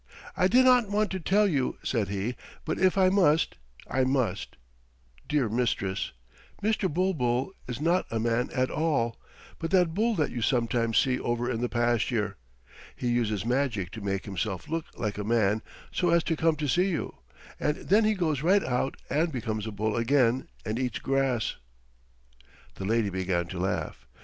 "I did not want to tell you," said he, "but if I must I must. Dear Mistress, Mr. Bulbul is not a man at all, but that bull that you sometimes see over in the pasture. He uses magic to make himself look like a man so as to come to see you, and then he goes right out and becomes a bull again and eats grass." The lady began to laugh.